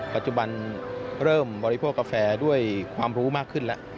ปัจจุบันเริ่มบริโภคกาแฟด้วยความรู้มากขึ้นแล้ว